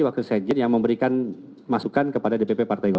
waktu saya dikenal yang memberikan masukan kepada dpp partai golkar